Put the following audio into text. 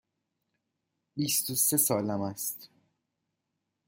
بیست و سه سالم است.